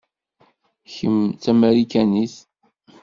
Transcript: Kemm d tamarikanit.